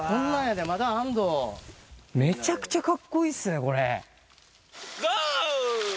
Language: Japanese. めちゃくちゃかっこいいですゴー！